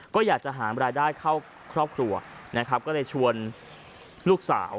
ก็อยากจะหารายได้เข้าครอบครัวนะครับก็เลยชวนลูกสาว